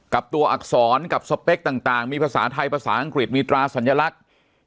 กับตัวอักษรกับสเปคต่างมีภาษาไทยภาษาอังกฤษมีตราสัญลักษณ์